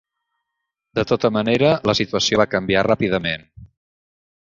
De tota manera, la situació va canviar ràpidament.